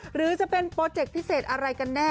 หรือจะเป็นโปรเจคพิเศษอะไรกันแน่